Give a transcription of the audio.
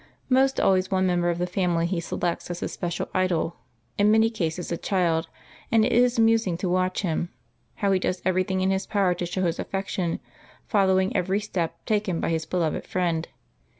Most always one member of the family he selects as his special idol, in many cases a child, and it is amusing to watch him, how he does everything in his power to show his affection, following every step taken by his beloved friend.